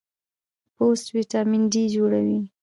پوست وټامین ډي جوړوي.